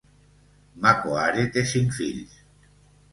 Makoare té cinc fills.